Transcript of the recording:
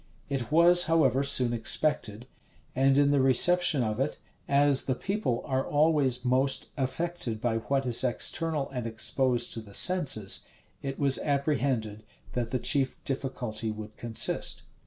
[*] It was, however, soon expected; and in the reception of it, as the people are always most affected by what is external and exposed to the senses, it was apprehended that the chief difficulty would consist.